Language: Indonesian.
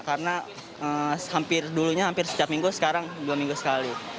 karena hampir dulunya hampir setiap minggu sekarang dua minggu sekali